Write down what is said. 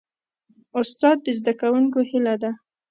استاد د زدهکوونکو هیله ده.